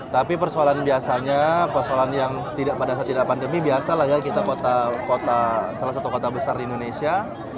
tapi persoalan biasanya persoalan yang pada saat tidak pandemi biasa lah ya kita salah satu kota besar di indonesia